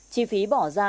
chỉ phí bỏ ra